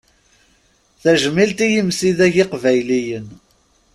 Tajmilt i yimsidag iqbayliyen.